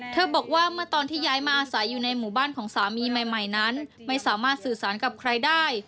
เธอบอกว่าตอนที่ย้ายมาอาศัยอยู่ในของหมู่บ้านแม่นั้นไม่สามารถสื่อสารกับใครได้